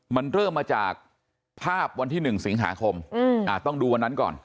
มันเริ่มมาจากภาพวันที่๑สิงหาคมต้องดูวันนั้นก่อน